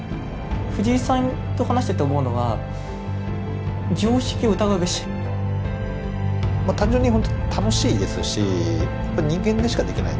藤井さんと話してて思うのは単純に楽しいですし人間でしかできない。